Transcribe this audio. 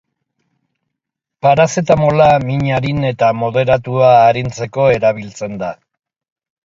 Parazetamola min arin eta moderatua arintzeko erabiltzen da.